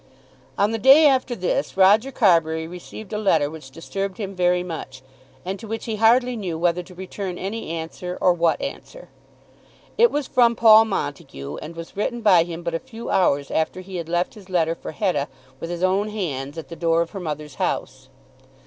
On the day after this Roger Carbury received a letter which disturbed him very much, and to which he hardly knew whether to return any answer, or what answer. It was from Paul Montague, and was written by him but a few hours after he had left his letter for Hetta with his own hands, at the door of her mother's house.